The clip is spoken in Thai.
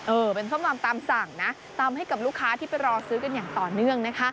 เออเป็นส้มตำสั่งนะตำให้กับลูกค้าที่ไปรอซื้อกันอย่างต่อเนื่องนะคะ